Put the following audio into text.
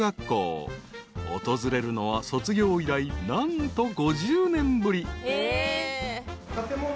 ［訪れるのは卒業以来何と５０年ぶり］